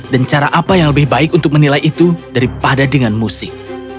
dan cara apa yang lebih baik untuk menilai itu daripada dengan musik